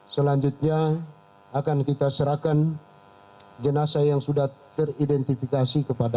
selanjutnya akan kita serahkan jenazah yang sudah teridentifikasi kepada